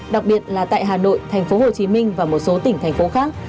đặc biệt là tại hà nội tp hcm và một số tỉnh thành phố khác